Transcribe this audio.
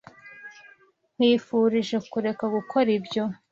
Nkwifurije kureka gukora ibyo.